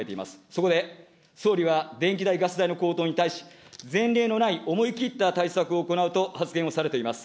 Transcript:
そこで総理は電気代・ガス代の高騰に対し、前例のない思い切った対策を行うと発言をされています。